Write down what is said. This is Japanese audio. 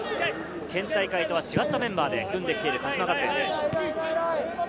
県大会とは違ったメンバーを組んできている鹿島学園です。